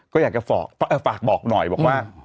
ก็อยากจะฝากบอกหน่อยบอกว่า